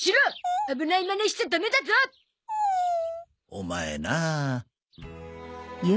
オマエな。